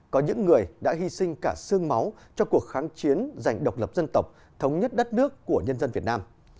có những người đã hy sinh cả xương máu cho cuộc kháng chiến dành độc lập dân tộc thống nhất đất nước của nhân dân việt nam